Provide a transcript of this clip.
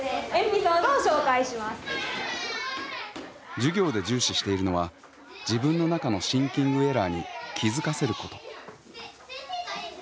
授業で重視しているのは自分の中のシンキングエラーに気付かせること。